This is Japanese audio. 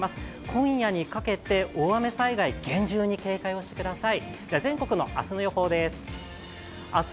今夜にかけて、大雨災害厳重に警戒をしてください。